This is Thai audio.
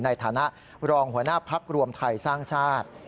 ในฐานะรองหัวหน้าพักรวมไทยสร้างชาติ